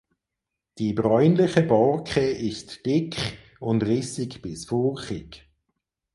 Die bräunliche Borke ist dick und rissig bis furchig.